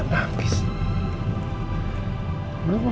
sampai jumpa di video selanjutnya